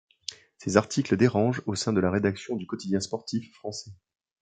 Ses articles dérangent au sein de la rédaction du quotidien sportif français.